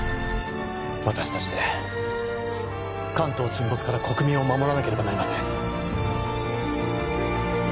私達で関東沈没から国民を守らなければなりません